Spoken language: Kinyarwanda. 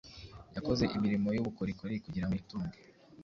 yakoze imirimo y’ubukorikori kugira ngo yitunge.